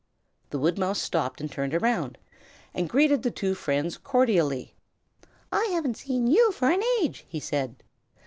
The woodmouse stopped and turned round, and greeted the two friends cordially. "I haven't seen you for an age!" he said.